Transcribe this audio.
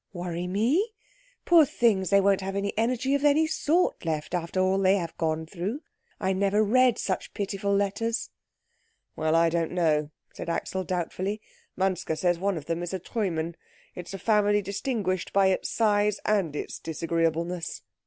"Worry me? Poor things, they won't have any energy of any sort left after all they have gone through. I never read such pitiful letters." "Well, I don't know," said Axel doubtfully. "Manske says one of them is a Treumann. It is a family distinguished by its size and its disagreeableness."